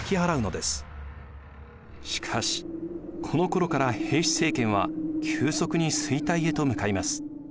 しかしこのころから平氏政権は急速に衰退へと向かいます。